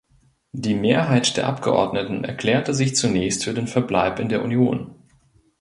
Die Mehrheit der Abgeordneten erklärte sich zunächst für den Verbleib in der Union.